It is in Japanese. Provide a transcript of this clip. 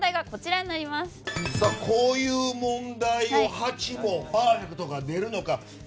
こういう問題を８問パーフェクトが出るのか。